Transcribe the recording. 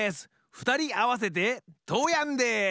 ふたりあわせてトーヤンです！